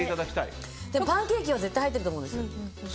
でもパンケーキは絶対入ってると思うんです。